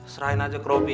serahin aja ke robby